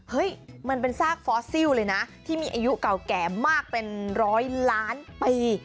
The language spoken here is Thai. มันเป็นซากฟอสซิลเลยนะที่มีอายุเก่าแก่มากเป็นร้อยล้านปี